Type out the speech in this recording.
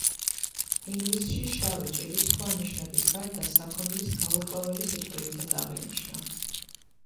ინგლისში შავი ჭირი სხვა ნიშნების გარდა საქონლის გაურკვეველი სიკვდილითაც აღინიშნა.